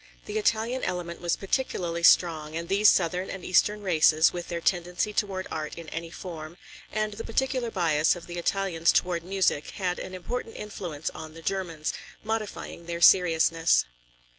The Italian element was particularly strong, and these southern and eastern races with their tendency toward art in any form, and the particular bias of the Italians toward music had an important influence on the Germans, modifying their seriousness.